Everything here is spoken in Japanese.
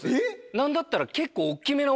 何だったら結構。